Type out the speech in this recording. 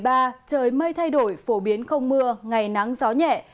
trời mây thay đổi phổ biến không mưa ngày nắng gió nhẹ